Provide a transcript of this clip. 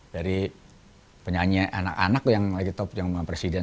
dari penyanyi anak anak yang lagi top yang sama presiden